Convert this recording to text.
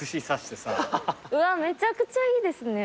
うわめちゃくちゃいいですね。